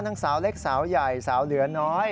สาวเล็กสาวใหญ่สาวเหลือน้อย